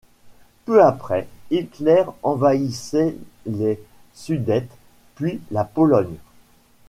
Peu après, Hitler envahissait les Sudètes, puis la Pologne.